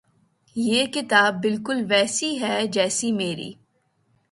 یہ کتاب بالکل ویسی ہے جیسی میری